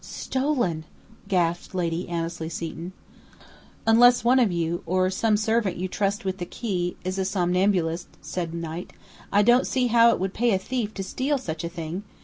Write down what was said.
"Stolen!" gasped Lady Annesley Seton. "Unless one of you, or some servant you trust with the key, is a somnambulist," said Knight. "I don't see how it would pay a thief to steal such a thing.